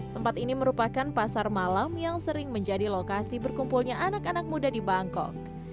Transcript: tempat ini merupakan pasar malam yang sering menjadi lokasi berkumpulnya anak anak muda di bangkok